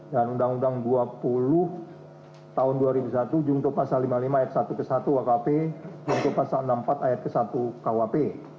dan undang undang dua puluh tahun dua ribu satu jumto pasal lima puluh lima ayat satu ke satu kwp jumto pasal enam puluh empat ayat satu kwp